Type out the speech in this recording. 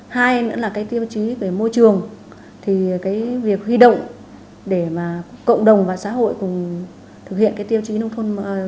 hai nữa là cái tiêu chí về môi trường thì cái việc huy động để mà cộng đồng và xã hội cùng thực hiện cái tiêu chí nông thôn